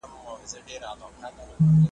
د علامه حبیبي میراث